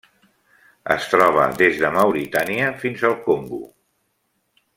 Es troba des de Mauritània fins al Congo.